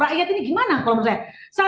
rakyat ini gimana kalau menurut saya